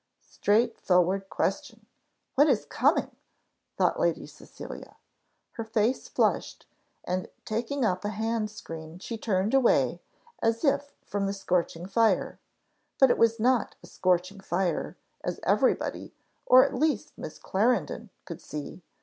Straight forward question! what is coming? thought Lady Cecilia: her face flushed, and taking up a hand screen, she turned away, as if from the scorching fire; but it was not a scorching fire, as everybody, or at least as Miss Clarendon, could see.